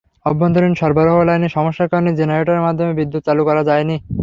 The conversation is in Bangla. অভ্যন্তরীণ সরবরাহ লাইনে সমস্যার কারণে জেনারেটরের মাধ্যমেও বিদ্যুৎ চালু করা যায়নি।